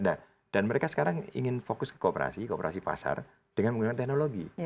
dan mereka sekarang ingin fokus ke kooperasi kooperasi pasar dengan menggunakan teknologi